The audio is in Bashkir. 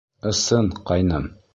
Ысын, ҡайным.